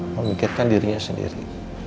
memikirkan dirinya sendiri